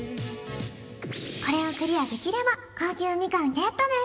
これをクリアできれば高級みかんゲットです